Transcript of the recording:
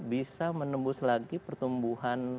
bisa menembus lagi pertumbuhan